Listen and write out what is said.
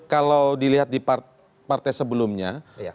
kalau dilihat di partai sebelumnya